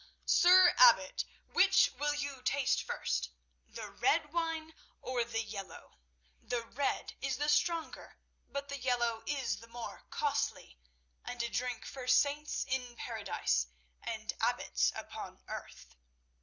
"Sir Abbot, which will you taste first—the red wine or the yellow? The red is the stronger but the yellow is the more costly and a drink for saints in Paradise and abbots upon earth.